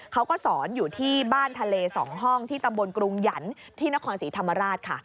เขาก็สอนอยู่ที่บ้านทะเล๒ห้องที่ตำบลกรุงหยันที่นครศรีธรรมราชค่ะ